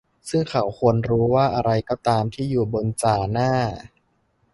ซึ่งเขาควรรู้ว่าอะไรก็ตามที่อยู่บนจ่าหน้า